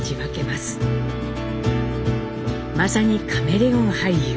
まさにカメレオン俳優。